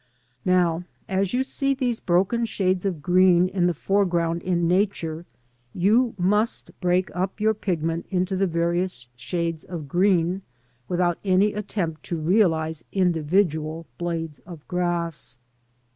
Now as you see these broken shades of green in the foreground in Nature you must break up your pigment into the various shades of green without any attempt to realise individual blades of grass.